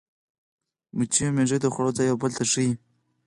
مچۍ او مېږي د خوړو ځای یو بل ته ښيي.